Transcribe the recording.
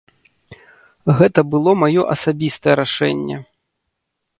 Гэта было маё асабістае рашэнне.